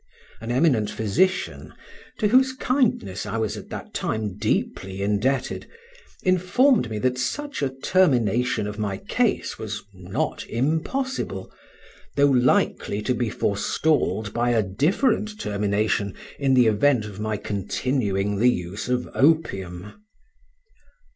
An eminent physician, to whose kindness I was at that time deeply indebted, informed me that such a termination of my case was not impossible, though likely to be forestalled by a different termination in the event of my continuing the use of opium.